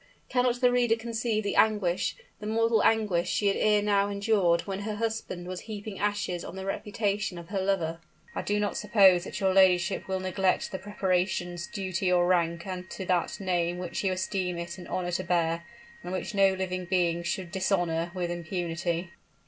cannot the reader conceive the anguish, the mortal anguish, she had ere now endured when her husband was heaping ashes on the reputation of her lover! "I do not suppose that your ladyship will neglect the preparations due to your rank and to that name which you esteem it an honor to bear, and which no living being should dishonor with impunity!"